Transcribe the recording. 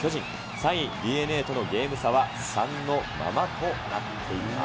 ３位ＤｅＮＡとのゲーム差は３のままとなっています。